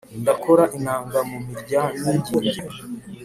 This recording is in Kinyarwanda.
Ndakora inanga mu mirya nyinginge